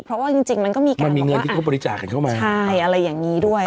เพราะว่าจริงมันก็มีการบอกว่าอ่ะใช่อะไรอย่างนี้ด้วย